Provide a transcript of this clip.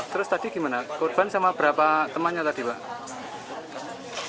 terus tadi gimana korban sama berapa temannya tadi pak